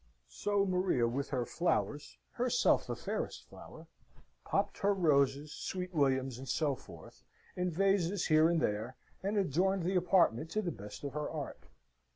So Maria with her flowers (herself the fairest flower), popped her roses, sweet williams, and so forth, in vases here and there, and adorned the apartment to the best of her art.